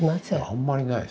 あんまいないですよね。